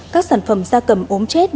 các sản phẩm da cầm ốm chết